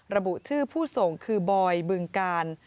ระบุชื่อผู้ส่งคือบอยบึงกาล